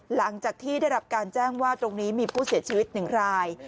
หลังจากที่ได้รับการแจ้งว่าตรงนี้มีผู้เสียชีวิต๑ราย